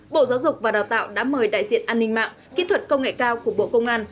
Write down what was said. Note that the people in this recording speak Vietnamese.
bộ giáo dục và đào tạo đã mời đại diện an ninh mạng kỹ thuật công nghệ cao của bộ công an